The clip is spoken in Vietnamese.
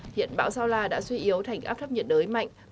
hiện bão sao la đã suy yếu thành áp thấp nhiệt đới mạnh